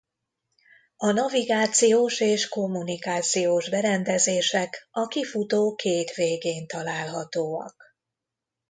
A navigációs- és kommunikációs berendezések a kifutó két végén találhatóak.